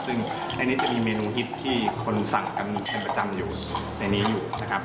ซึ่งอันนี้จะมีเมนูฮิตที่คนสั่งกันเป็นประจำอยู่ในนี้อยู่นะครับ